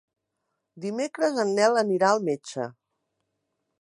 Dimecres en Nel anirà al metge.